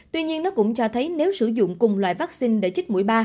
tuy nhiên nó cũng cho thấy nếu sử dụng cùng loại vaccine để chích mũi ba